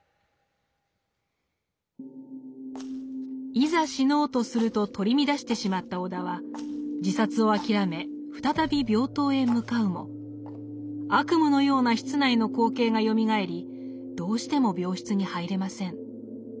いざ死のうとすると取り乱してしまった尾田は自殺を諦め再び病棟へ向かうも悪夢のような室内の光景がよみがえりどうしても病室に入れません。